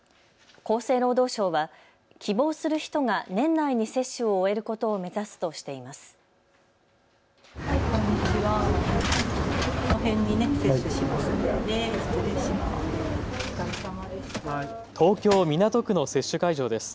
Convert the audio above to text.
厚生労働省は希望する人が年内に接種を終えることを目指すとしています。